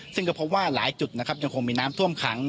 ซึ่งก็พบว่าหลายจุดนะครับยังคงมีน้ำท่วมขัง